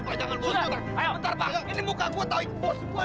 bentar pak ini muka gue tau